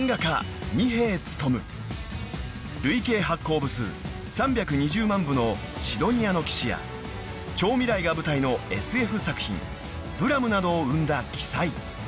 ［累計発行部数３２０万部の『シドニアの騎士』や超未来が舞台のＳＦ作品『ＢＬＡＭＥ！』などを生んだ鬼才］